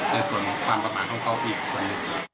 ในส่วนความประมาทของเขาอีกส่วนหนึ่ง